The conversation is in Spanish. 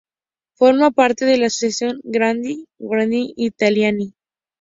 Forma parte de la asociación Grandi Giardini Italiani.